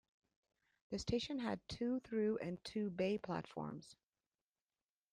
The station had two through and two bay platforms.